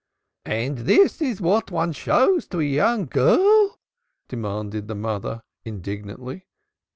"And is this what one shows to a young girl?" demanded the mother indignantly.